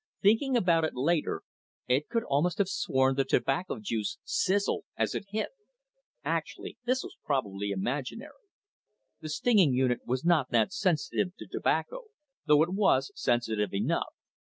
Thinking about it later, Ed could almost have sworn the tobacco juice sizzled as it hit. Actually, this was probably imaginary. The stinging unit was not that sensitive to tobacco, though it was sensitive enough.